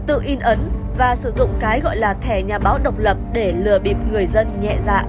tự in ấn và sử dụng cái gọi là thẻ nhà báo độc lập để lừa bịp người dân nhẹ dạ